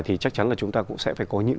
thì chắc chắn là chúng ta cũng sẽ phải có những